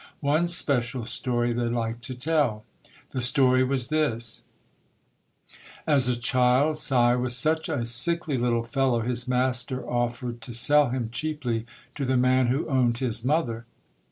One special story they liked to tell. The story was this: As a child "Si" was such a sickly little fellow his master offered to sell him cheaply to the man who owned his mother.